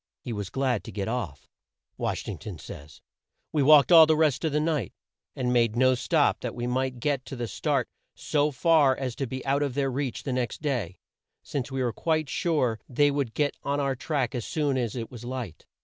He was glad to get off," Wash ing ton says, "We walked all the rest of the night, and made no stop, that we might get the start so far as to be out of their reach the next day, since we were quite sure they would get on our track as soon as it was light."